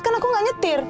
kan aku gak nyetir